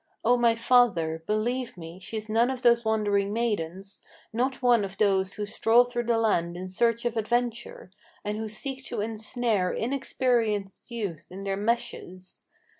O my father! believe me, she's none of those wandering maidens, Not one of those who stroll through the land in search of adventure, And who seek to ensnare inexperienced youth in their meshes.